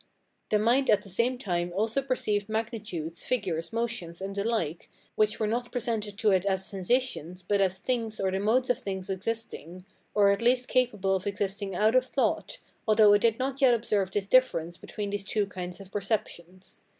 FRENCH.] The mind at the same time also perceived magnitudes, figures, motions, and the like, which were not presented to it as sensations but as things or the modes of things existing, or at least capable of existing out of thought, although it did not yet observe this difference between these two kinds of perceptions.